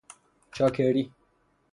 چاکری